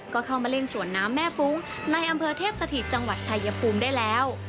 ก็เข้ามาเล่นสวนน้ำแม่ฟุ้งในอำเภอเทพสถิตจังหวัดชายภูมิได้แล้ว